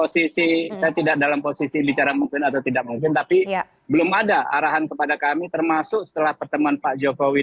saya tidak dalam posisi bicara mungkin atau tidak mungkin tapi belum ada arahan kepada kami termasuk setelah pertemuan pak jokowi